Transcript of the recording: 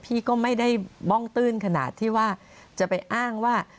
พี่ก็ไม่ได้บ้องตื้นขนาดที่ว่าจะไปอ้างว่า